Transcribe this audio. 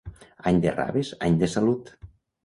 Any de raves, any de salut.